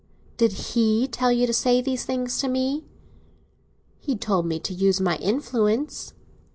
"Did he tell you to say these things to me?" "He told me to use my influence."